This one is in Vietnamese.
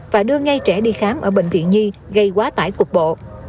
và đưa ngay trẻ đi khám ở bệnh viện nhi gây quá tải cục bộ